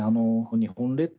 日本列島